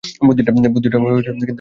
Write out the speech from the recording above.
বুদ্ধিটা কিন্তু খারাপ না।